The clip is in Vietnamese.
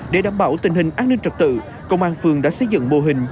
để đảm bảo tình hình an ninh trật tự công an phường đã xây dựng mô hình